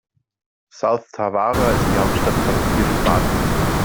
South Tarawa ist die Hauptstadt von Kiribati.